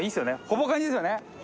ほぼカニですよね？